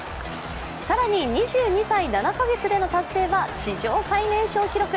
更に２２歳７カ月での達成は史上最年少記録。